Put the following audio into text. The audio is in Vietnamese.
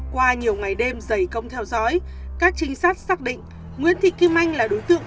qua nhiều ngày đêm dày công theo dõi các trinh sát xác định nguyễn thị kim anh là đối tượng